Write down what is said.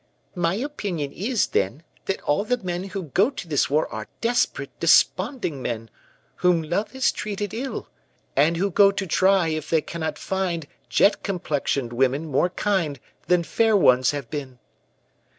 "My opinion is, then, that all the men who go to this war are desperate, desponding men, whom love has treated ill; and who go to try if they cannot find jet complexioned women more kind than fair ones have been."